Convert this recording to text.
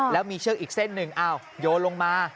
แล้วมีเชือกอีกเส้นหนึ่งโยนลงมา